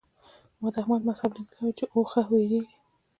ما د احمد مذهب ليدلی وو چې له اوخه وېرېږي.